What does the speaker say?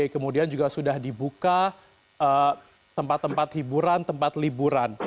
kemudian juga sudah dibuka tempat tempat hiburan tempat liburan